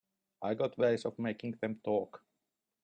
I got ways of making them talk.